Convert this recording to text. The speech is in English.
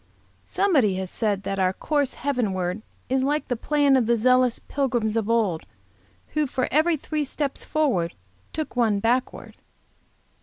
Somebody has said that 'our course heavenward is like the plan of the zealous pilgrims of old, who for every three steps forward, took one backward.'